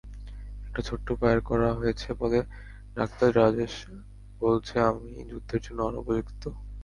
একটা ছোট্ট পায়ের কড়া হয়েছে বলে ডাক্তার রাজেশ বলছে আমি যুদ্ধের জন্য অনুপযুক্ত।